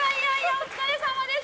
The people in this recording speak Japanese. お疲れさまです。